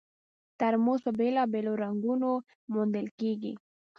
ترموز په بېلابېلو رنګونو موندل کېږي.